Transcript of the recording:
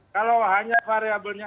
kalau hanya variabelnya